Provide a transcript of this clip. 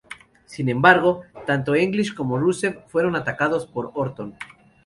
Sin embargo, tanto English como Rusev fueron atacados por Orton.